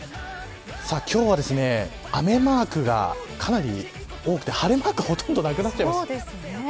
今日は雨マークがかなり多くて晴れマークはほとんどなくなっちゃいました。